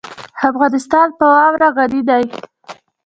افغانستان په واوره غني دی.